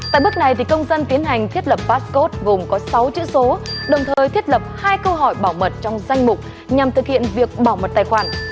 tại bước này công dân tiến hành thiết lập pascode gồm có sáu chữ số đồng thời thiết lập hai câu hỏi bảo mật trong danh mục nhằm thực hiện việc bảo mật tài khoản